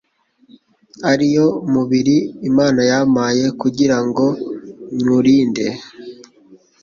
ariyo mubiri Imana yampaye, kugira ngo nywurinde